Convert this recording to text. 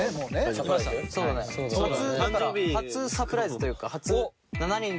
初サプライズというか。